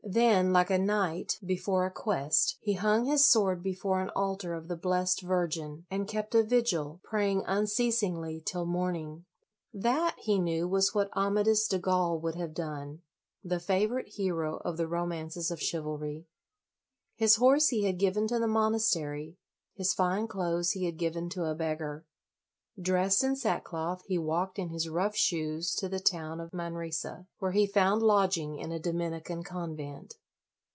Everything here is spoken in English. Then, like a knight, before a quest, he hung his sword before an altar of the Blessed Virgin, and kept a vigil, praying unceasingly till morning. That, he knew, was what Amadis de Gaul would have done, the favorite hero of the ro mances of chivalry. His horse he had given to the monastery; his fine clothes he had given to a beggar. Dressed in sackcloth, he walked in his rough shoes to the town of Manresa, where he found lodging in a Dominican convent.